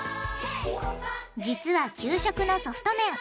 実は給食のソフト麺